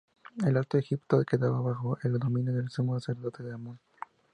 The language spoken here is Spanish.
El Alto Egipto quedaba bajo el dominio del sumo sacerdote de Amón.